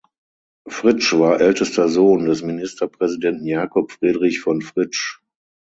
Fritsch war ältester Sohn des Ministerpräsidenten Jakob Friedrich von Fritsch.